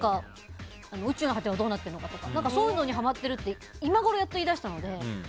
宇宙の果てはどうなっているとかそういうのにハマっているって今ごろ、やっと言い出したので。